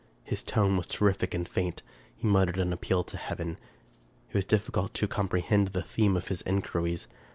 His tone was ter rific and faint. He muttered an appeal to heaven. It was difficult to comprehend the theme of his inquiries.